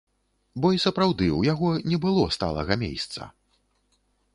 Бо і сапраўды ў яго не было сталага мейсца.